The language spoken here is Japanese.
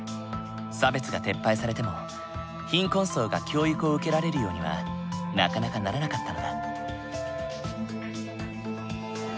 差別が撤廃されても貧困層が教育を受けられるようにはなかなかならなかったのだ。